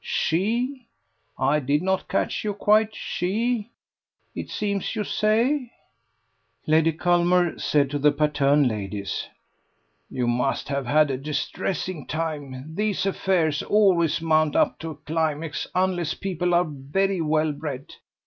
She? I did not catch you quite. She? ... it seems, you say ...?" Lady Culmer said to the Patterne ladies: "You must have had a distressing time. These affairs always mount up to a climax, unless people are very well bred.